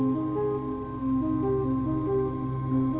lima belas ribu mungkin